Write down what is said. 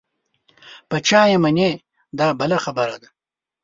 په چا یې منې دا بله خبره ده.